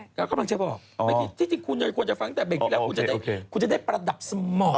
คนเขาก็ต้องจะบอกที่คุณควรจะฟังตั้งแต่เบงพี่แล้วคุณจะได้ประดับสมอง